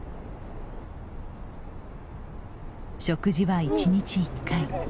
食事は１日１回。